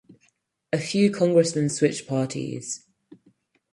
A few Congressmen switched parties.